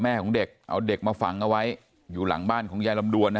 ของเด็กเอาเด็กมาฝังเอาไว้อยู่หลังบ้านของยายลำดวนนะ